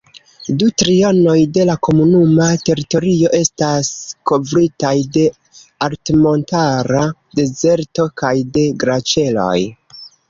Du trionoj de la komunuma teritorio Estas kovritaj de altmontara dezerto kaj de glaĉeroj.